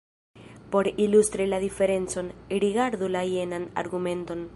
Por ilustri la diferencon, rigardu la jenan argumenton.